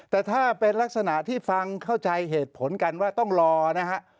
แต่ถ้าเป็นลักษณะที่ฟังเข้าใจเหตุผลกันว่าต้องรอนะฮะ